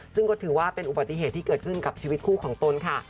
ซึ่งก็ถือว่าเป็นอุบัติเหตุที่เกิดขึ้นกับชีวิตคู่ของตนค่ะ